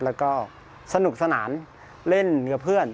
แล้วก็สนุกสนานเล่นเนื้อเพื่อน